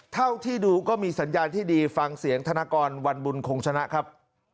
เท่าที่ดูก็มีสัญญาณที่ดีฟังเสียงธนกรวันบุญคงชนะครับ